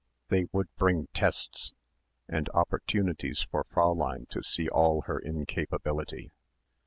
They would bring tests; and opportunities for Fräulein to see all her incapability.